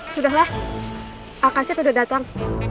sudahlah alkasyid udah datang